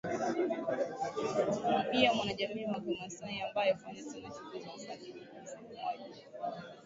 na mwanajamii wa kimasai ambae hufanya Sana shughuli za ufugaji